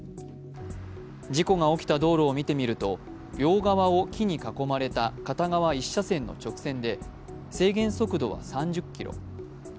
事故が起きた道路を見てみると両側を木に囲まれた片側１車線の直線で制限速度は３０キロ。